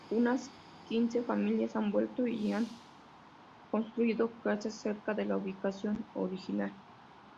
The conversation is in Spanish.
Unas quince familias han vuelto y han construido casas cerca de la ubicación original.